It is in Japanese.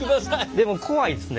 でも怖いですね。